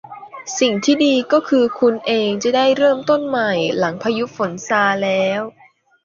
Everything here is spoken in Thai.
สิ่งที่ดีก็คือคุณเองจะได้เริ่มต้นใหม่หลังพายุฝนซาแล้ว